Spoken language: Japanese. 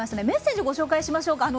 メッセージをご紹介しましょう。